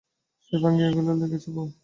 সে ভাঙাইয়া বলে, লেগেছে বৌ?